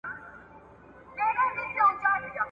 تاسو به د خپلو مشرانو درناوی کوئ.